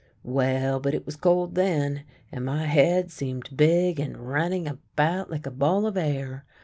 Well, but it was cold then, and my head seemed big and running about like a ball of air.